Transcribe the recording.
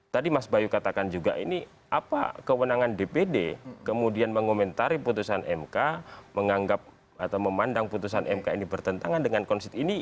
tadi mas bayu katakan juga ini apa kewenangan dpd kemudian mengomentari putusan mk menganggap atau memandang putusan mk ini bertentangan dengan konsep ini